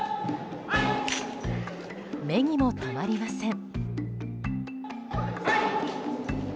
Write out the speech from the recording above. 目にも留まりません。